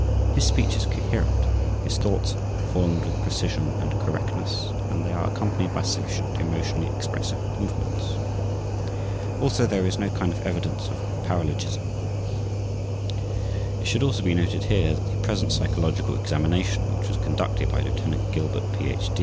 His speech is coherent, his thoughts formed with precision and correctness and they are accompanied by sufficient emotionally expressive movements. Also, there is no kind of evidence of paralogism. It should also be noted here, that the present psychological examination, which was conducted by Lieutenant Gilbert, Ph.